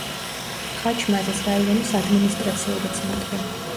ხაჩმაზის რაიონის ადმინისტრაციული ცენტრი.